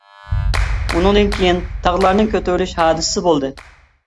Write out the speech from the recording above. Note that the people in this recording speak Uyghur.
ئۇنىڭدىن كېيىن تاغلارنىڭ كۆتۈرۈلۈش ھادىسىسى بولدى.